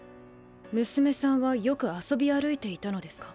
娘さんはよく遊び歩いていたのですか？